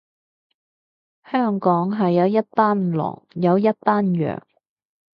香港係有一班狼，有一班羊